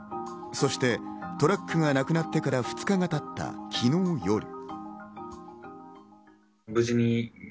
そしてトラックがなくなってから２日が経った昨日、夜。